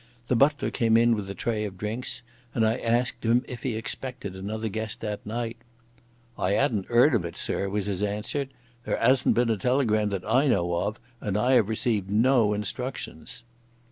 The butler came in with a tray of drinks and I asked him if he expected another guest that night. "I 'adn't 'eard of it, sir," was his answer. "There 'asn't been a telegram that I know of, and I 'ave received no instructions."